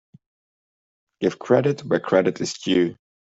Give credit where credit is due.